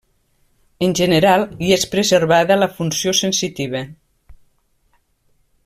En general, hi és preservada la funció sensitiva.